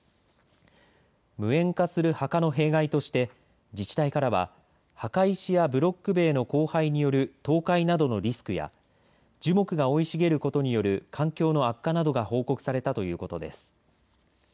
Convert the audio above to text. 無縁化する墓の弊害として自治体からは墓石やブロック塀の荒廃による倒壊などのリスクや樹木が生い茂ることによる環境の悪化などが報告されたということです。